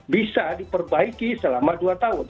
bisa diperbaiki selama dua tahun